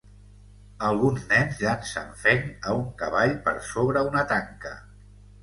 Alguns nens llancen fenc a un cavall per sobre una tanca.